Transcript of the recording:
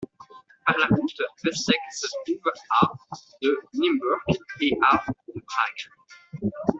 Par la route, Vestec se trouve à de Nymburk et à de Prague.